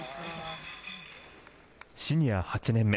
シニア８年目。